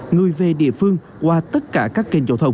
người về địa phương qua tất cả các kênh giao thông